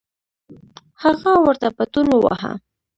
هغه ورته پتون وواهه.